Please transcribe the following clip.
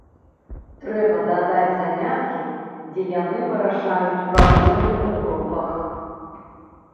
Трэба дадаць заняткі, дзе яны вырашаюць праблемы у групах.